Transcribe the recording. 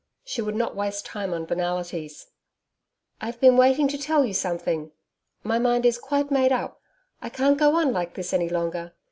She would not waste time on banalities. 'I've been waiting to tell you something. My mind is quite made up. I can't go on like this any longer.